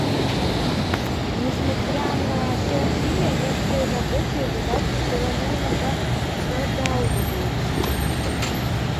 Несмотря на все усилия, некоторые рабочие задачи всё равно иногда продалбываются.